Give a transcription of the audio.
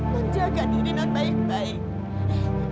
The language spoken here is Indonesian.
non jaga diri non baik baik